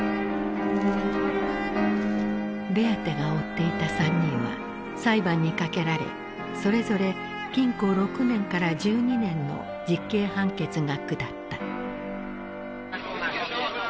ベアテが追っていた３人は裁判にかけられそれぞれ禁錮６年から１２年の実刑判決が下った。